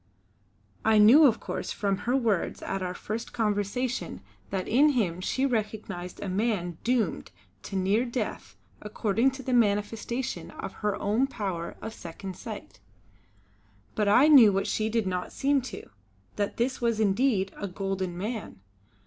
I knew of course from her words at our first conversation that in him she recognised a man doomed to near death according to the manifestation of her own power of Second Sight; but I knew what she did not seem to, that this was indeed a golden man.